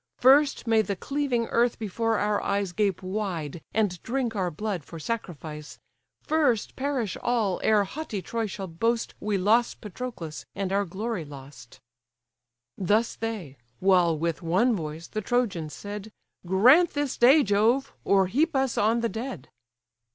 First may the cleaving earth before our eyes Gape wide, and drink our blood for sacrifice; First perish all, ere haughty Troy shall boast We lost Patroclus, and our glory lost!" Thus they: while with one voice the Trojans said, "Grant this day, Jove! or heap us on the dead!"